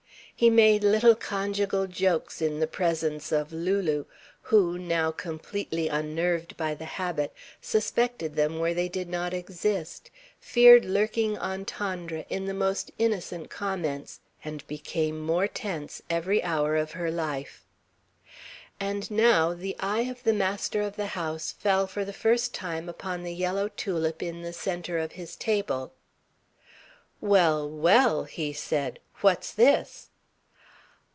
He made little conjugal jokes in the presence of Lulu who, now completely unnerved by the habit, suspected them where they did not exist, feared lurking entendre in the most innocent comments, and became more tense every hour of her life. And now the eye of the master of the house fell for the first time upon the yellow tulip in the centre of his table. "Well, well!" he said. "What's this?"